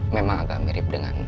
memang agak mirip dengan